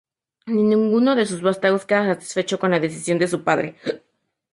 Ninguno de sus vástagos queda satisfecho con la decisión de su padre.